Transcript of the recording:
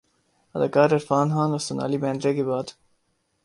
اداکار عرفان خان اورسونالی بیندرے کے بعد